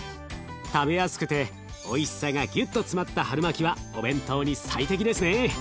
食べやすくておいしさがギュッと詰まった春巻きはお弁当に最適ですね。